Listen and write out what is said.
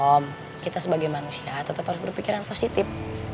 om kita sebagai manusia tetap harus berpikiran positif